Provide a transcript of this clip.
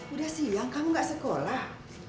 udah siang kamu gak sekolah